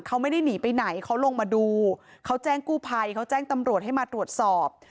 เขาไม่ได้หนีไปไหนเขาลงมาดูเขาแจ้งกู้ภัยเขาแจ้งตำรวจให้มาตรวจสอบ